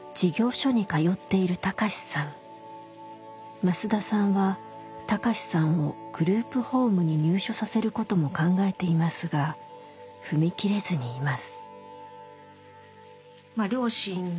増田さんは貴志さんをグループホームに入所させることも考えていますが踏み切れずにいます。